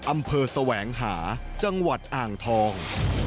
อำเภอแสวงหาจังหวัดอ่างทอง